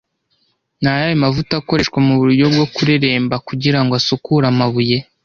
Ni ayahe mavuta akoreshwa muburyo bwo kureremba kugirango asukure amabuye